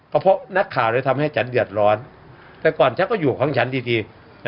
เพราะนักข่าวเลยทำให้ฉันเดือดร้อนแต่ก่อนฉันก็อยู่ของฉันดี